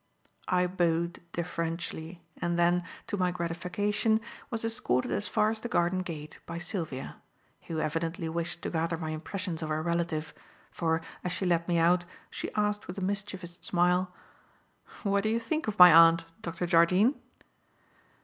I bowed deferentially and then, to my gratification, was escorted as far as the garden gate by Sylvia; who evidently wished to gather my impressions of her relative, for, as she let me out, she asked with a mischievous smile: "What do you think of my aunt, Dr. Jardine?"